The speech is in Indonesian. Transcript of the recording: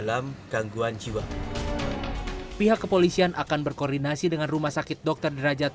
dalam gangguan jiwa pihak kepolisian akan berkoordinasi dengan rumah sakit dokter derajat